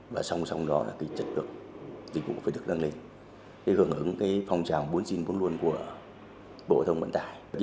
và song song đó là chất lượng dịch vụ phải được nâng lên để hưởng ứng phong trào bốn xin bốn luôn của bộ thông quận tài